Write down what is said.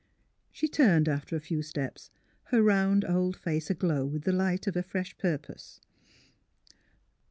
She turned after a few steps, her round old face aglow with the light of a fresh purpose.